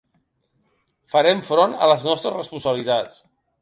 Farem front a les nostres responsabilitats.